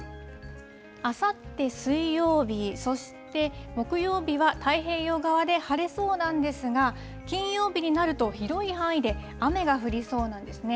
あさって水曜日、そして木曜日は、太平洋側で晴れそうなんですが、金曜日になると広い範囲で雨が降りそうなんですね。